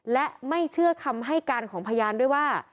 และไม่เชื่อคำให้การของพยานด้วยว่า